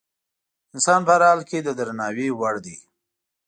انسان په هر حال کې د درناوي وړ دی.